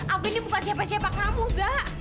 aku ini bukan siapa siapa kamu gak